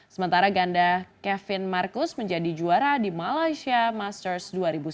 sementara ganda kevin marcus menjadi juara di malaysia masters dua ribu sembilan belas